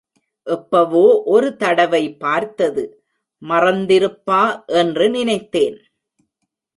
எப்பவோ ஒரு தடவை பார்த்தது, மறந்திருப்பா என்று நினைத்தேன்.